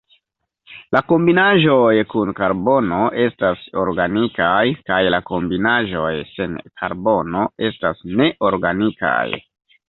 La kombinaĵoj kun karbono estas organikaj, kaj la kombinaĵoj sen karbono estas neorganikaj.